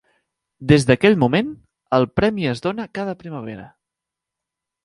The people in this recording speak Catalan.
Des d'aquell moment, el premi es dona cada primavera.